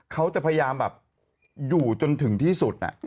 เขาจะพยายามแบบอยู่จนถึงที่สุด